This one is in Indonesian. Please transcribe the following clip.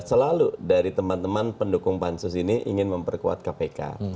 selalu dari teman teman pendukung pansus ini ingin memperkuat kpk